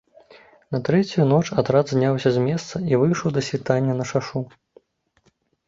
На трэцюю ноч атрад зняўся з месца і выйшаў да світання на шашу.